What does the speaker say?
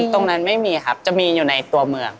ไม่มีครับจะมีอยู่ในตัวเมือง